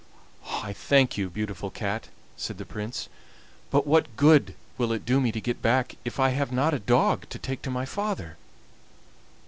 "I thank you, beautiful Cat," said the Prince; "but what good will it do me to get back if I have not a dog to take to my father?"